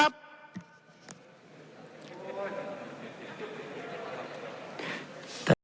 ขอบคุณครับ